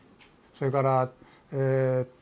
それから。